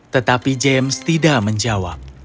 tetapi james tidak menjawab